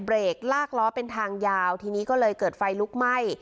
ลากล้อเป็นทางยาวทีนี้ก็เลยเกิดไฟลุกไหม้